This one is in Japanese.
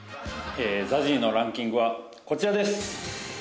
ＺＡＺＹのランキングはこちらです。